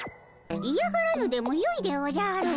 いやがらぬでもよいでおじゃる。